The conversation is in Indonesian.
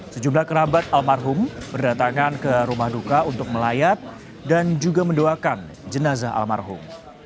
sejumlah kerabat almarhum berdatangan ke rumah duka untuk melayat dan juga mendoakan jenazah almarhum